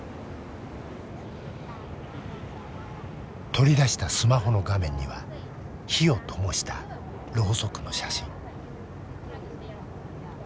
取り出したスマホの画面には火をともしたろうそくの写真。